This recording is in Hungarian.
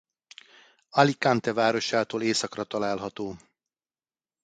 Alicante városától északra található.